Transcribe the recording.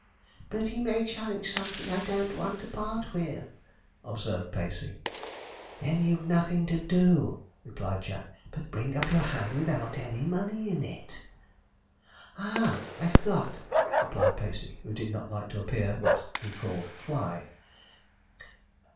'But he may challenge something I don't want to part with,' observed Pacey. 'Then you've nothin' to do,' replied Jack, 'but bring up your hand without any money in it.' 'Ah! I forgot,' replied Pacey, who did not like not to appear what he called 'fly.'